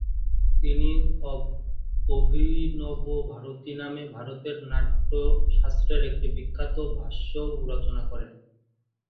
তিনি অভিনবভারতী নামে ভরতের নাট্যশাস্ত্রের একটি বিখ্যাত ভাষ্যও রচনা করেন।